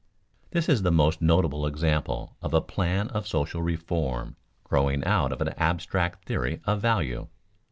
_ This is the most notable example of a plan of social reform growing out of an abstract theory of value.